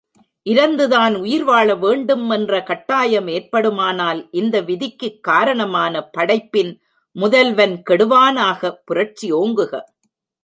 இரந்துதான் உயிர் வாழவேண்டும் என்ற கட்டாயம் ஏற்படுமானால் இந்த விதிக்குக் காரணமான படைப்பின் முதல்வன் கெடுவானாக புரட்சி ஓங்குக.